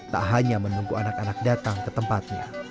tak hanya menunggu anak anak datang ke tempatnya